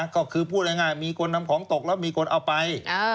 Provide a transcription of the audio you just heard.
ก็คือพูดง่ายมีคนนำของตกแล้วมีคนเอาไป